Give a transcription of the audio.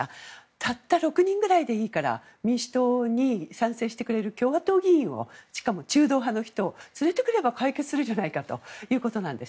たった６人ぐらいでいいから民主党に賛成してくれる共和党議員をしかも中道派の人を連れてくれば、解決するじゃないかということです。